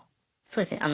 そうですね。